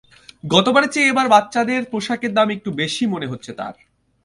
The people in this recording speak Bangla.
গতবারের চেয়ে এবার বাচ্চাদের পোশাকের দাম একটু বেশি মনে হচ্ছে তাঁর।